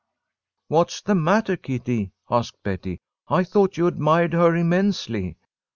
"What's the matter, Kitty?" asked Betty, "I thought you admired her immensely."